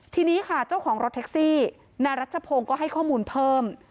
ทีนี้ค่ะเจ้าของรถแท็กซี่นายรัชพงศ์ก็ให้ข้อมูลเพิ่ม